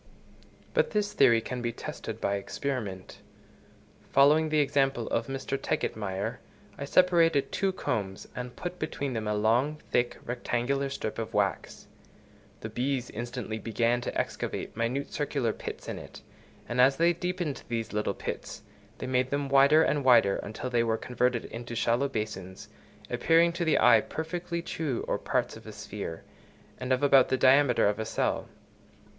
But this theory can be tested by experiment. Following the example of Mr. Tegetmeier, I separated two combs, and put between them a long, thick, rectangular strip of wax: the bees instantly began to excavate minute circular pits in it; and as they deepened these little pits, they made them wider and wider until they were converted into shallow basins, appearing to the eye perfectly true or parts of a sphere, and of about the diameter of a cell.